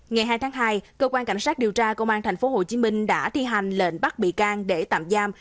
ngày hai tháng hai cơ quan cảnh sát điều tra công an tp hcm đã thi hành lệnh bắt bị can để tạm giam